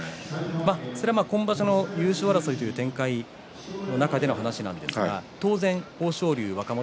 それは今場所の優勝争いという中での話ですが当然の豊昇龍、若元